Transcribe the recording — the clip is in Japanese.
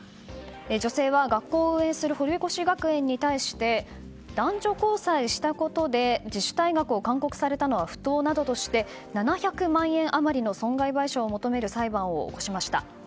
女性は、学校を運営する堀越学園に対して男女交際したことで自主退学を勧告されたのは不当などとして７００万円余りの損害賠償を求める裁判を起こしました。